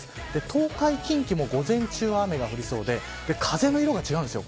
東海、近畿も午前中、雨が降りそうで風の色が違うんですよ